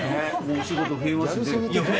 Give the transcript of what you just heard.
お仕事、増えますね。